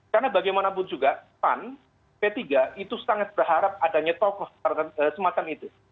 karena bagaimanapun juga pan p tiga itu sangat berharap adanya tokoh di semata itu